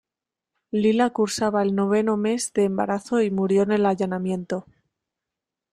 Lila cursaba el noveno mes de embarazo y murió en el allanamiento.